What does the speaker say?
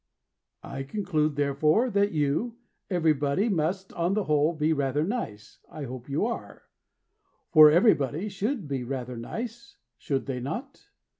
I conclude, therefore, That you, Everybody, Must, on the whole, be rather nice. I hope you are; For Everybody should be rather nice, Should they not?